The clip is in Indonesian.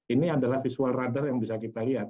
ini adalah visual radar yang bisa kita lihat